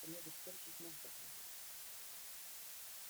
C'en est le seul gisement répertorié.